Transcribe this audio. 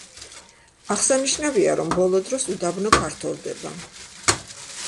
აღსანიშნავია, რომ ბოლო დროს უდაბნო ფართოვდება.